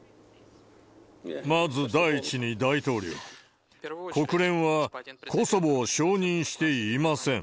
まず第一に大統領、国連はコソボを承認していません。